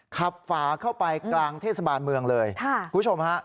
ฝาเข้าไปกลางเทศบาลเมืองเลยคุณผู้ชมฮะ